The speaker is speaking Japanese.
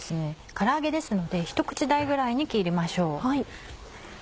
から揚げですのでひと口大ぐらいに切りましょう。